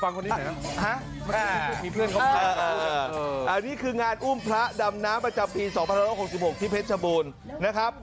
คนนี้หน่อยนะอันนี้คืองานอุ้มพระดำน้ำประจำปี๒๑๖๖ที่เพชรชบูรณ์นะครับ